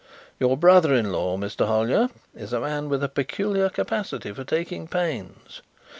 Your brother in law, Mr. Hollyer, is a man with a peculiar capacity for taking pains."